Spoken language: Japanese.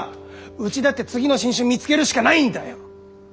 うちだって次の新種見つけるしかないんだよ！